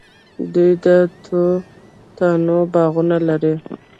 دوی د توتانو باغونه لري.